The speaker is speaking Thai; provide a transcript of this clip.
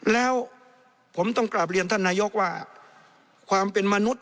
แล้วผมต้องกลับเรียนท่านนายกว่าความเป็นมนุษย